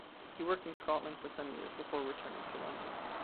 He worked in Scotland for some years before returning to London.